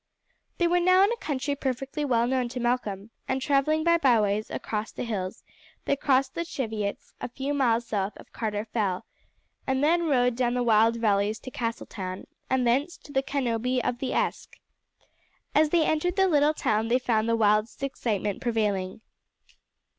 They were now in a country perfectly well known to Malcolm, and travelling by byways across the hills they crossed the Cheviots a few miles south of Carter Fell, and then rode down the wild valleys to Castletown and thence to Canobie of the Esk. As they entered the little town they found the wildest excitement prevailing.